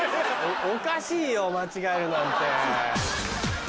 おかしいよ間違えるなんて。